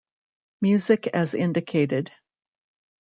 Music as indicated.